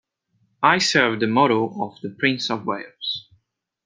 I serve the motto of the Prince of Wales